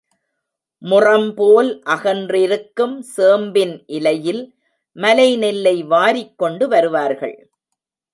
முறம் போல் அகன்றிருக்கும் சேம்பின் இலையில் மலைநெல்லை வாரிக் கொண்டு வருவார்கள்.